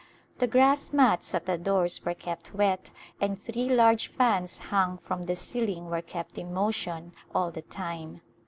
The grass mats at the doors were kept wet and three large fans hung from the ceiling were kept in motion all the time.